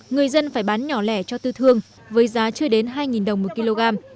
người dân phải bán nhỏ lẻ cho tư thương với giá chưa đến hai đồng một kg